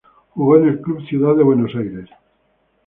Jugó en el Club Ciudad de Buenos Aires.